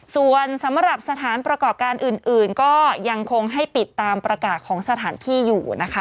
ส่วนสำหรับสถานประกอบการอื่นก็ยังคงให้ปิดตามประกาศของสถานที่อยู่นะคะ